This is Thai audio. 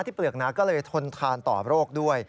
เปลือกหนาก็เลยทนทานต่อโรคด้วย